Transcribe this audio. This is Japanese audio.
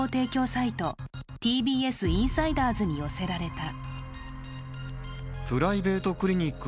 サイトＴＢＳインサイダーズに寄せられた。